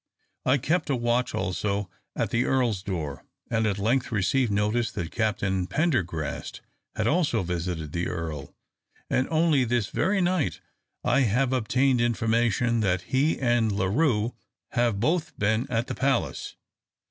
I kept a watch also at the Earl's door, and at length received notice that Captain Pendergrast had also visited the Earl; and only this very night I have obtained information that he and La Rue have both been at the palace.